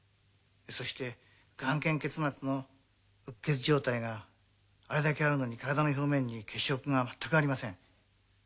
そして眼瞼結膜のうっ血状態があれだけあるのに体の表面に血色がまったくありません。